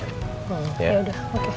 ya udah oke